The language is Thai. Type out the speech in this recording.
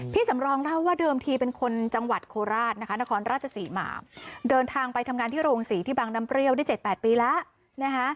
สำรองเล่าว่าเดิมทีเป็นคนจังหวัดโคราชนะคะนครราชศรีมาเดินทางไปทำงานที่โรงศรีที่บางน้ำเปรี้ยวได้๗๘ปีแล้วนะคะ